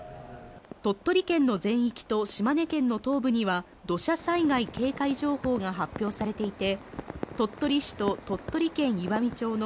鳥取県の全域と島根県の東部には土砂災害警戒情報が発表されていて、鳥取市と鳥取県岩美町の